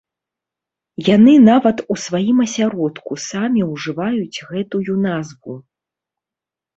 Яны нават у сваім асяродку самі ўжываюць гэтую назву.